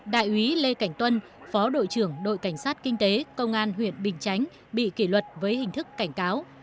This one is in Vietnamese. đại úy lê cảnh tuân phó đội trưởng đội cảnh sát kinh tế công an huyện bình chánh bị kỷ luật với hình thức cảnh cáo